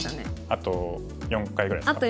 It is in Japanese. あと４回ぐらいですか。